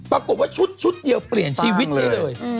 ปรากฏว่าชุดเดียวเปลี่ยนชีวิตได้เลย